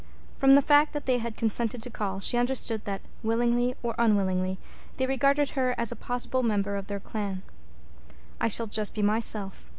From the fact that they had consented to call she understood that, willingly or unwillingly, they regarded her as a possible member of their clan. "I shall just be myself.